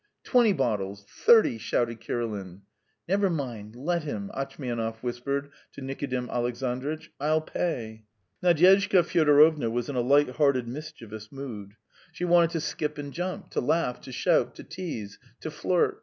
"Twenty bottles! Thirty!" shouted Kirilin. "Never mind, let him," Atchmianov whispered to Nikodim Alexandritch; "I'll pay." Nadyezhda Fyodorovna was in a light hearted, mischievous mood; she wanted to skip and jump, to laugh, to shout, to tease, to flirt.